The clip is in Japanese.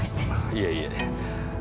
いえいえ。